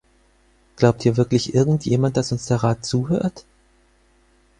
Glaubt hier wirklich irgendjemand, dass uns der Rat zuhört?